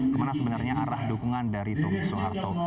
kemana sebenarnya arah dukungan dari tommy soeharto